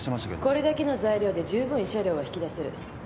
これだけの材料で十分慰謝料は引き出せる。